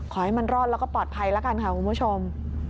ขอให้มันรอดแล้วก็ปลอดภัยแล้วกันค่ะคุณผู้ชม